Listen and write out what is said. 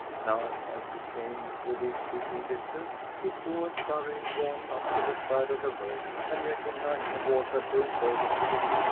Now as he came within speaking distance, he saw a surrey drawn up to the side of the road, and recognized the horse as old Bogus from Lee's ranch.